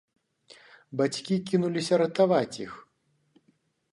Бацькі кінуліся ратаваць іх.